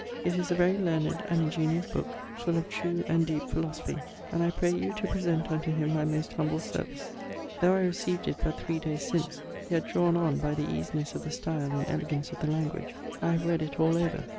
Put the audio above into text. It is a very learned and ingenious booke, full of true and deepe philosophy, and I pray you to present unto him my most humble service. Though I receaved it but three days since, yet drawn on by the easinesse of the style and elegance of the language I have read it all over.